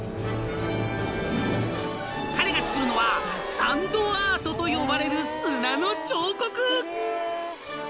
［彼が作るのはサンドアートと呼ばれる砂の彫刻］